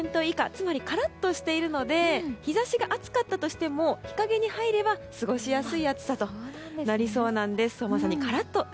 つまり、カラッとしているので日差しが暑かったとしても日陰に入れば過ごしやすい暑さとなりそうなんです。